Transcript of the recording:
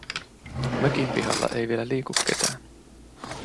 Mökin pihalla ei vielä liiku ketään.